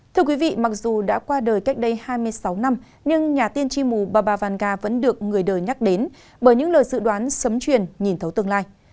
thưa quý vị mặc dù đã qua đời cách đây hai mươi sáu năm nhưng nhà tiên tri mù bà bà văn gà vẫn được người đời nhắc đến bởi những lời dự đoán sấm truyền nhìn thấu tương lai